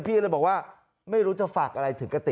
พี่ก็เลยบอกว่าไม่รู้จะฝากอะไรถึงกระติก